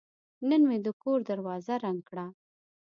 نن مې د کور دروازه رنګ کړه.